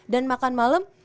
dan makan malem